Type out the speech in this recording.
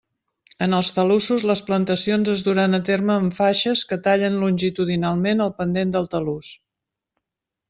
En els talussos les plantacions es duran a terme en faixes que tallen longitudinalment el pendent del talús.